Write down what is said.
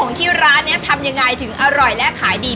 ที่ร้านนี้ทำยังไงถึงอร่อยและขายดี